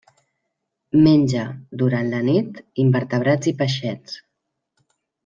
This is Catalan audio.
Menja, durant la nit, invertebrats i peixets.